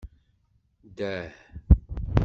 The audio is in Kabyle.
Dah.